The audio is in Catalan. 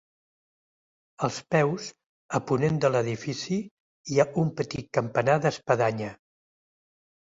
Als peus, a ponent de l'edifici, hi ha un petit campanar d'espadanya.